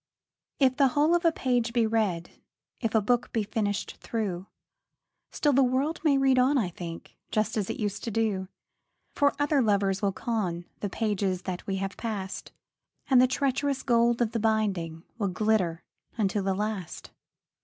II. If the whole of a page be read, If a book be finished through, Still the world may read on, I think, Just as it used to do; For other lovers will con The pages that we have passed, And the treacherous gold of the binding Will glitter unto the last.